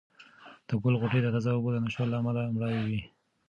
د ګل غوټۍ د تازه اوبو د نشتوالي له امله مړاوې وې.